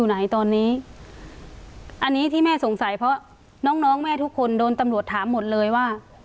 อันนี้ที่แม่สงสัยเพราะน้องแม่ทุกคนโดนตำรวจถามหมดเลยว่า